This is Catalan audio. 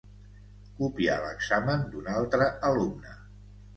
Copiar l'examen d'un altre alumne.